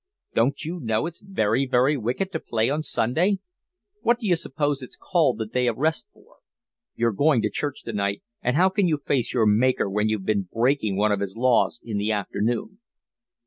"Don't you know it's very, very wicked to play on Sunday? What d'you suppose it's called the day of rest for? You're going to church tonight, and how can you face your Maker when you've been breaking one of His laws in the afternoon?"